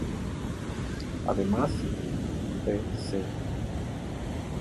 Además "T.c.